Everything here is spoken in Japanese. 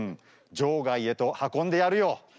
場外へと運んでやるよ。